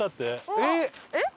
えっ！